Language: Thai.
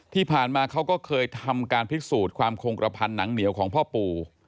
ที่ผ่านมาเขาก็เคยทำการพิสูจน์ความคงกระพันหนังเหนียวของพ่อปู่